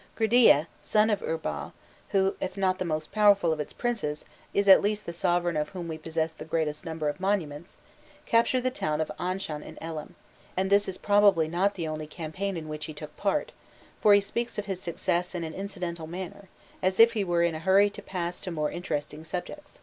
Grudea, son of Urbau, who, if not the most powerful of its princes, is at least the sovereign of whom we possess the greatest number of monuments, captured the town of Anshan in Elam, and this is probably not the only campaign in which he took part, for he speaks of his success in an incidental manner, and as if he were in a hurry to pass to more interesting subjects.